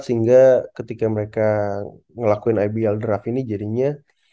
sehingga ketika mereka ngelakuin ibl draft ini jadinya